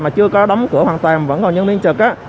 mà chưa có đóng cửa hoàn toàn vẫn còn nhân viên trực